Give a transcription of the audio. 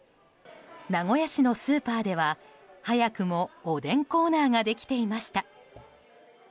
名古屋市のスーパーでは早くも、おでんコーナーができていました。